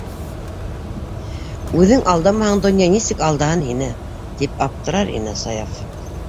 «Үҙең алдамаһаң, донъя нисек алдаһын һине?» - тип аптырар ине Саяф.